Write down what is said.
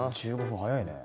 １５分早いね。